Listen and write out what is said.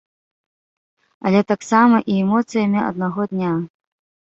Але таксама і эмоцыямі аднаго дня.